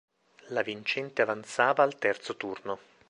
La vincente avanzava al terzo turno.